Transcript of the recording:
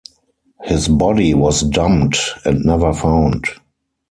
His body was dumped and never found.